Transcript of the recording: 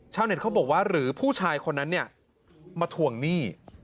ชาวเน็ตเขาบอกว่าหรือผู้ชายคนนั้นมาทวงหนี้